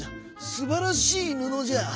すばらしいぬのじゃ。